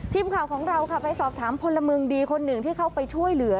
ทีมข่าวของเราค่ะไปสอบถามพลเมืองดีคนหนึ่งที่เข้าไปช่วยเหลือ